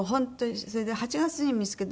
それで８月に見付けて。